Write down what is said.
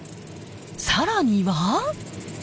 更には。